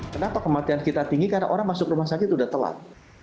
kenapa kematian kita tinggi karena orang masuk rumah sakit sudah telat